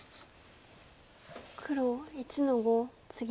黒１の五ツギ。